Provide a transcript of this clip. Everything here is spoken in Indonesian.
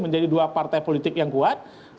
menjadi dua partai politik yang kuat